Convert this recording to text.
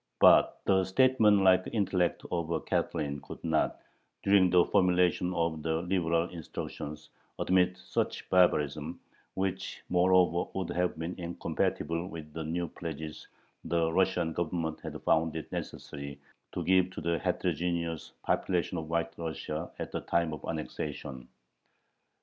But the statesmanlike intellect of a Catherine could not, during the formulation of the liberal "Instructions," admit such barbarism, which moreover would have been incompatible with the new pledges the Russian Government had found it necessary to give to the heterogeneous population of White Russia at the time of annexation.